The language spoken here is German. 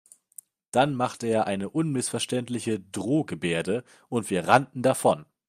Dann machte er eine unmissverständliche Drohgebärde und wir rannten davon.